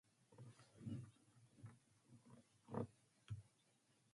The district includes the eastern metropolitan area of the city of Ulm.